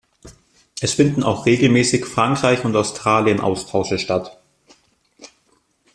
Es finden auch regelmäßig Frankreich- und Australien-Austausche statt.